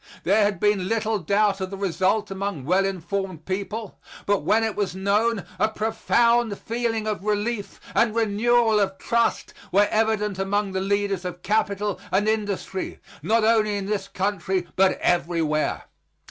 There had been little doubt of the result among well informed people, but when it was known, a profound feeling of relief and renewal of trust were evident among the leaders of capital and industry, not only in this country, but everywhere.